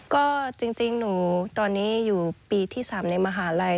ก็จริงหนูตอนนี้อยู่ปีที่๓ในมหาลัย